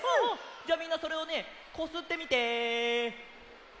じゃあみんなそれをねこすってみて！